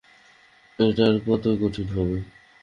এটা আর কতই কঠিন হবে!